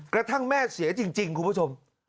กระทั่งแม่เสียจริงคุณผู้ชม